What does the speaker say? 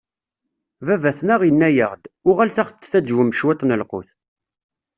Baba-tneɣ, inna-yaɣ-d: Uɣalet ad ɣ-d-taǧwem cwiṭ n lqut.